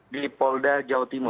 di polda jawa timur